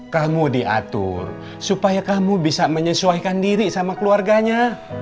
kamu diatur supaya kamu bisa menyesuaikan diri sama keluarganya